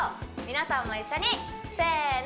皆さんも一緒にせーの！